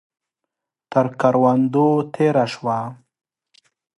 تر کروندو تېره شوه.